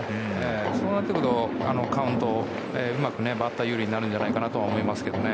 そうなってくるとカウントをうまくバッター有利になるんじゃないかと思います。